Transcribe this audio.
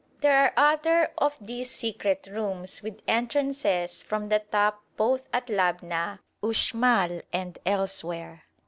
There are other of these secret rooms with entrances from the top both at Labna, Uxmal, and elsewhere.